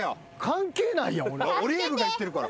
オリーブが言ってるから。